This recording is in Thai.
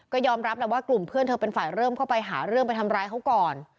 ก็ยอมรับแล้วว่ากลุ่มเพื่อนเธอเป็นฝ่ายเริ่มเข้าไปหาเรื่องไปทำร้ายเขาก่อน